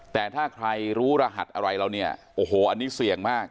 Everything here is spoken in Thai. แต่ถ้าใครรู้รหัสอะไรเราเนี่ยโอ้โหอันนี้เสี่ยงมาก